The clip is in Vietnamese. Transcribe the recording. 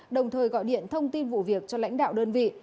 đồng thời gọi điện thông tin vụ việc cho lãnh đạo đơn vị